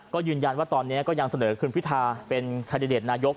ก็ยืนยันว่าตอนนี้ก็ยังเสนอคุณพิทาเป็นคันดิเดตนายก